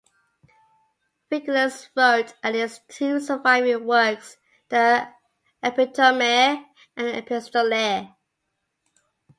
Virgilius wrote at least two surviving works, the "Epitomae" and "Epistolae".